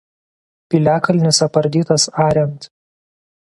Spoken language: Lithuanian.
Piliakalnis apardytas ariant.